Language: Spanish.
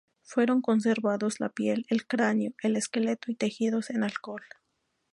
Fueron conservados la piel, el cráneo, el esqueleto y tejidos en alcohol.